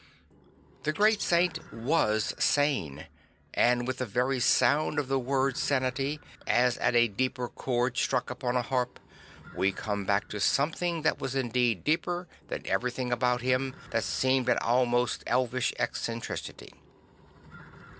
The great saint was sane; and with the very sound of the word sanity, as at a deeper chord struck upon a harp, we come back to something that was indeed deeper than everything about him that seemed an almost elvish eccentricity.